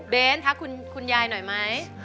เบนทักคุณยายหน่อยมั้ย